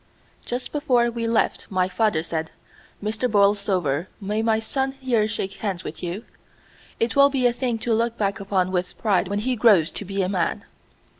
Just before we left my father said, "Mr. Borlsover, may my son here shake hands with you? It will be a thing to look back upon with pride when he grows to be a man."